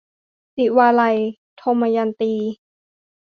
ศิวาลัย - ทมยันตี